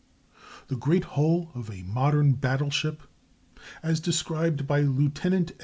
The great hull of a modern battle ship, as described by Lieutenant S.